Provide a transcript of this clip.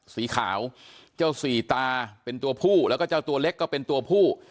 สีขาวเจ้าสี่ตาเป็นตัวผู้แล้วก็เจ้าตัวเล็กก็เป็นตัวผู้